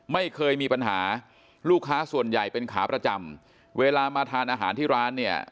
ไม่เคยมีปัญหาลูกค้าส่วนใหญ่เป็นขาประจำเวลามาทานอาหารที่ร้านเนี่ย